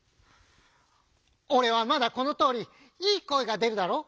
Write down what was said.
「おれはまだこのとおりいいこえがでるだろう？